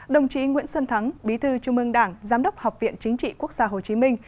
đồng chí nguyễn xuân thắng bí thư trung ương đảng giám đốc học viện chính trị quốc gia hồ chí minh